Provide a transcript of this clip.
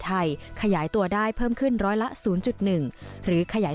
ไทยขยายตัวได้เพิ่มขึ้นร้อยละศูนย์จุดหนึ่งหรือขยาย